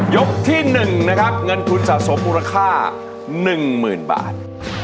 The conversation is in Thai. ที่๑นะครับเงินทุนสะสมมูลค่า๑๐๐๐บาท